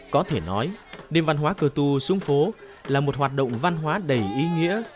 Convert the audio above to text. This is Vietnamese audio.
có thể nói đêm văn hóa cơ tu xuống phố là một hoạt động văn hóa đầy ý nghĩa